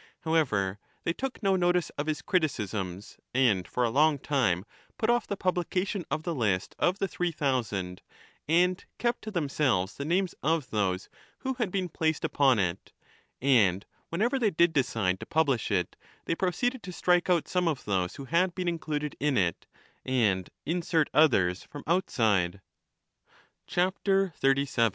However, they took no notice of his criticisms, and for a long time put off the publication of the list of the Three Thousand and kept to themselves the names of those who had been placed upon it ; and every time they did decide to publish it they proceeded to strike out some of those who had been included in it, and insert others who had been omitted.